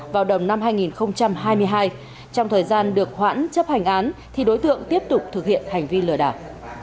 vào đầu năm hai nghìn hai mươi hai trong thời gian được khoản chấp hành án thì đối tượng tiếp tục thực hiện hành vi lừa đảo